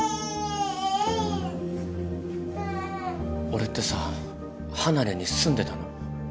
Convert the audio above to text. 俺ってさ離れに住んでたの？